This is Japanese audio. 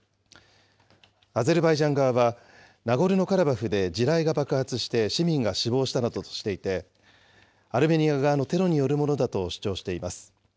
アゼルバイジャン側は、ナゴルノカラバフで地雷が爆発して市民が死亡したなどとしていて、アルメニア側のテロによるものだと主張しています。